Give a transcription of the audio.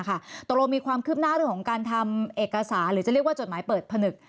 ตกลงมีความคืบหน้าเรื่องของการทำเอกสารหรือจะเรียกว่าจดหมายเปิดผนึก